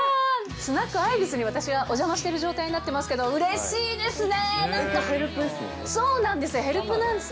スナックアイビスに私はお邪魔してる状態になってますけど、うれしいですね。